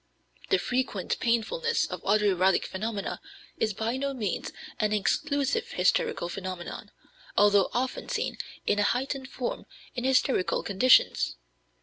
The frequent painfulness of auto erotic phenomena is by no means an exclusively hysterical phenomenon, although often seen in a heightened form in hysterical conditions.